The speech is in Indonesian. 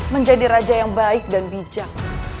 menjadi raja yang baik dan bijak